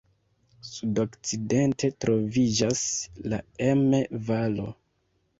Sudokcidente troviĝas la Emme-Valo.